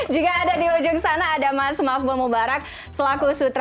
juga ada di ujung sana ada mas mahfud mubarak selaku sutra